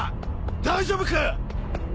大丈夫か？